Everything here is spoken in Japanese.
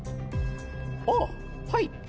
あっはい。